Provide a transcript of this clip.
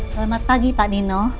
selamat pagi pak nino